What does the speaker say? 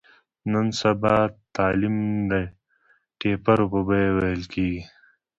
نن سبا تعلیم د ټېپرو په بیه ویل کېږي.